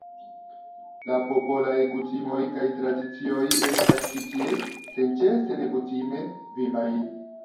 La popolaj kutimoj kaj tradicioj estas ĉi tie senĉese nekutime vivaj.